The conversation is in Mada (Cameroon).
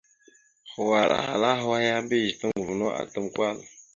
Hwar ahala hwa ya, mbiyez toŋgov no atam Kwal.